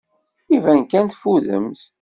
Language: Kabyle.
Iban kan teffudemt.